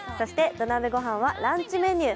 土鍋ごはんはランチメニュー。